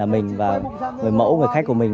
mình và người mẫu người khách của mình